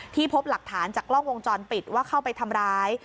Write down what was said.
พบหลักฐานจากกล้องวงจรปิดว่าเข้าไปทำร้าย